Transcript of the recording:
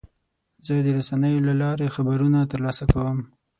زه د رسنیو له لارې خبرونه ترلاسه کوم.